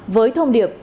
với thông điệp